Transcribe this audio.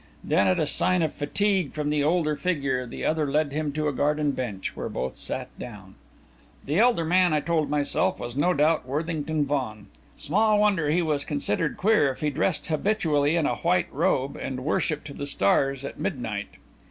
Then, at a sign of fatigue from the older figure, the other led him to a garden bench, where both sat down. The elder man, I told myself, was no doubt Worthington Vaughan. Small wonder he was considered queer if he dressed habitually in a white robe and worshipped the stars at midnight!